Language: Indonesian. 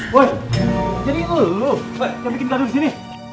woy jadi lu yang bikin gaduh disini